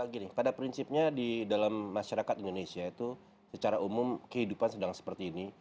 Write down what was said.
gini pada prinsipnya di dalam masyarakat indonesia itu secara umum kehidupan sedang seperti ini